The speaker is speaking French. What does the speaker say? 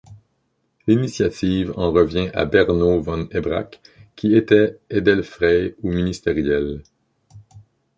L'initiative en revient à Berno von Ebrach, qui était Edelfrei ou Ministériel.